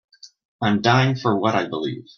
I'm dying for what I believe.